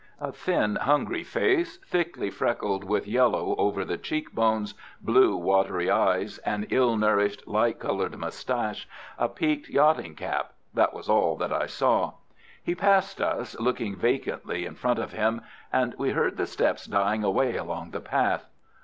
A thin, hungry face, thickly freckled with yellow over the cheek bones, blue, watery eyes, an ill nourished, light coloured moustache, a peaked yachting cap—that was all that I saw. He passed us, looking vacantly in front of him, and we heard the steps dying away along the path.